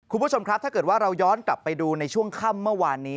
คุณผู้ชมครับถ้าเกิดว่าเราย้อนกลับไปดูในช่วงค่ำเมื่อวานนี้